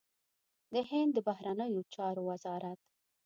د هند د بهرنيو چارو وزارت